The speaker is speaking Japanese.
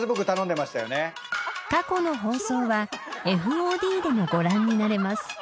［過去の放送はＦＯＤでもご覧になれます］